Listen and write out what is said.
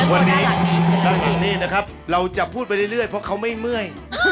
วันนี้เราเห็นนี่นะครับเราจะพูดไปเรื่อยเพราะเขาไม่เมื่อย